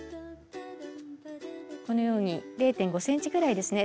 このように０．５ｃｍくらいですね